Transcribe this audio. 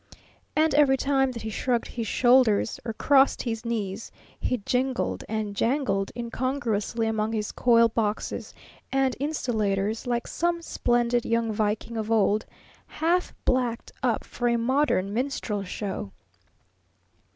And every time that he shrugged his shoulders or crossed his knees he jingled and jangled incongruously among his coil boxes and insulators, like some splendid young Viking of old, half blacked up for a modern minstrel show.